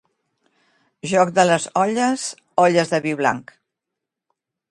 Joc de les olles, olles de vi blanc.